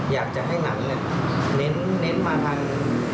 อยากจะให้หนังเน้นมาทาง